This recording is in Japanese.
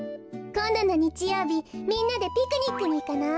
こんどのにちようびみんなでピクニックにいかない？